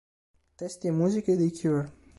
Testi e musiche dei Cure.